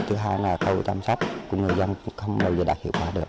thứ hai là khâu chăm sóc của người dân không bao giờ đạt hiệu quả được